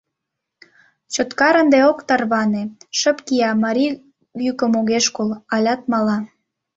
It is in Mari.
Чоткар ынде ок тарване, шып кия Марий йӱкым огеш кол, алят мала...